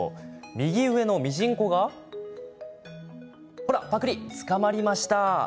右上のミジンコがほら、ぱくりと捕まりました！